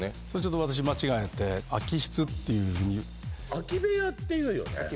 それちょっと私間違えて「あきしつ」っていうふうに空き部屋って言うよね